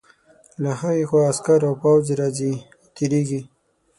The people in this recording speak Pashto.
له هغې خوا عسکر او پوځ راځي او تېرېږي.